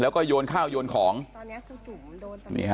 แล้วก็โยนข้าวโยนของตอนเนี้ยคือจุมมันโดนไปแล้วนี่ฮะ